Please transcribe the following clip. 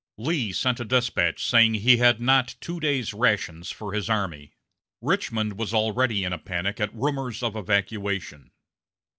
Lee sent a despatch saying he had not two days' rations for his army. Richmond was already in a panic at rumors of evacuation.